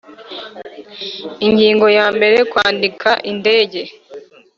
Ingingo ya mbere Kwandika indege